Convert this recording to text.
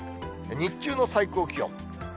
日中の最高気温。